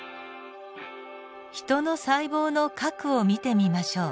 ヒトの細胞の核を見てみましょう。